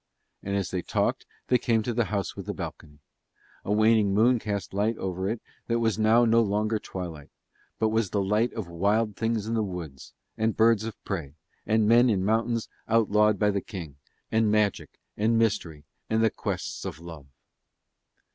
And as they talked they came to the house with the balcony. A waning moon cast light over it that was now no longer twilight; but was the light of wild things of the woods, and birds of prey, and men in mountains outlawed by the King, and magic, and mystery, and the quests of love.